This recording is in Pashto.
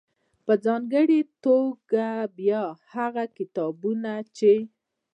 .په ځانګړې توګه بيا هغه کتابونه چې